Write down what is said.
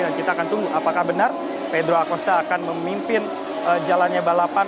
dan kita akan tunggu apakah benar pedro acosta akan memimpin jalannya balapan